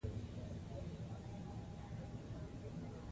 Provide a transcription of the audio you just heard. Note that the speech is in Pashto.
کولمو بکتریاوې د هضم لپاره مهمې دي.